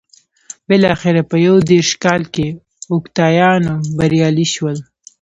بلاخره په یو دېرش کال کې اوکتاویان بریالی شو